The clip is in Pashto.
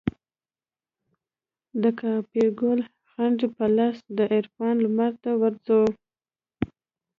دکاپرګل جنډې په لاس دعرفان لمرته ورځو